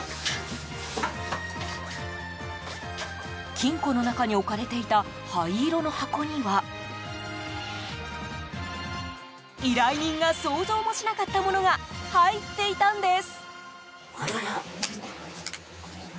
金庫の中に置かれていた灰色の箱には依頼人が想像もしなかったものが入っていたんです。